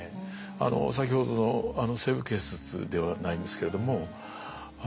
先ほどの「西部警察」ではないんですけれども